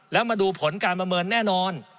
แล้วมาดูผลการประเมินแน่นอน